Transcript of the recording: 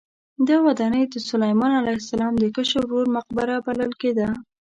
دا ودانۍ د سلیمان علیه السلام د کشر ورور مقبره بلل کېده.